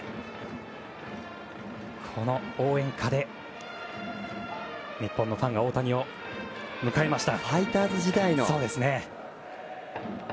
この応援歌で日本のファンが大谷を迎えました。